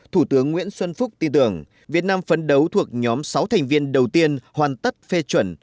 thủ tướng nguyễn xuân phúc tin tưởng việt nam phấn đấu thuộc nhóm sáu thành viên đầu tiên hoàn tất phê chuẩn